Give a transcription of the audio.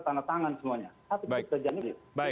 tanda tangan semuanya tapi bisa jadi